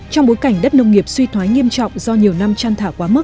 trong bối cảnh đất nông nghiệp suy thoái nghiêm trọng do nhiều năm chăn thả quá mức